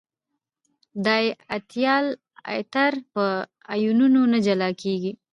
دای ایتایل ایتر په آیونونو نه جلا کیږي.